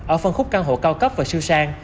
ở phân khúc căn hộ cao cấp và siêu sang